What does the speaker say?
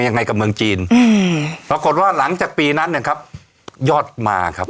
ยังไงกับเมืองจีนอืมปรากฏว่าหลังจากปีนั้นนะครับยอดมาครับ